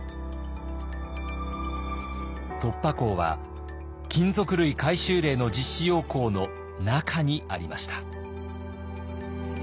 突破口は金属類回収令の実施要網の中にありました。